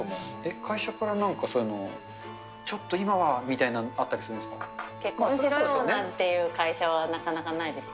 会社からなんかそういうの、ちょっと今は、みたいなのあった結婚しろよなんていう会社はなかなかないですよね。